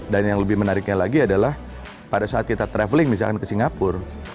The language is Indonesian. dan yang lebih menariknya lagi adalah pada saat kita traveling misalkan ke singapura